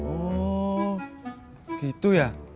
oh gitu ya